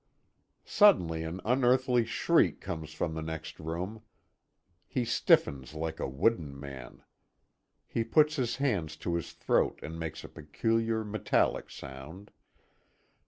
Suddenly an unearthly shriek comes from the next room. He stiffens like a wooden man. He puts his hands to his throat, and makes a peculiar metallic sound.